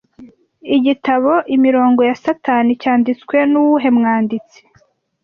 Igitabo 'Imirongo ya Satani' cyanditswe nuwuhe mwanditsi